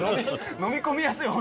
「のみ込みやすい」